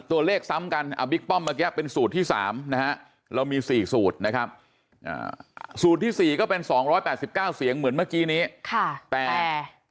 ตัวเลขซ้ำกันบิ๊กป้อมเมื่อกี้เป็นสูตรที่๓นะฮะเรามี๔สูตรนะครับสูตรที่๔ก็เป็น๒๘๙เสียงเหมือนเมื่อกี้นี้แต่